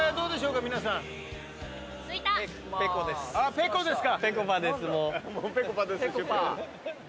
ペコですか。